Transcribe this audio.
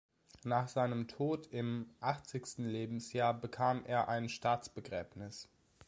Nach seinem Tod im achtzigsten Lebensjahr bekam er ein Staatsbegräbnis.